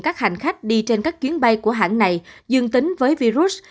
các hành khách đi trên các chuyến bay của hãng này dương tính với virus